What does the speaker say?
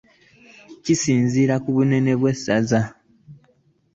Kisinziira ku bunene bw'essaza.